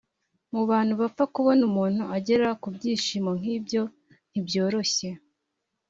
mu bantu bapfa, kubona umuntu ugera ku byishimo nk’ibyo ntibyoroshye.”